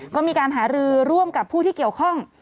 ก็มีการหารือร่วมกับผู้ที่เกี่ยวข้อง